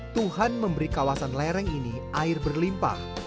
tuhan memberi kawasan lereng ini air berlimpah